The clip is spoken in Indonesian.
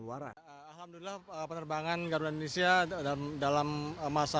alhamdulillah penerbangan garuda indonesia dalam masa